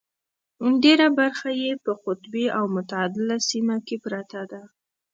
ډېره برخه یې په قطبي او متعدله سیمه کې پرته ده.